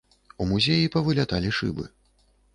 У музеі павыляталі шыбы.